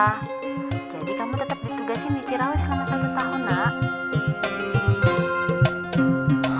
jadi kamu tetap ditugasin di cirawe selama satu tahun nak